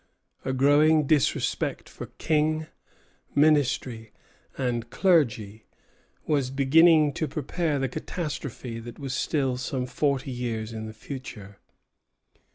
A growing disrespect for king, ministry, and clergy was beginning to prepare the catastrophe that was still some forty years in the future.